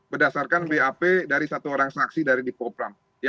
berdasarkan bap dari satu orang saksi dari dipo pram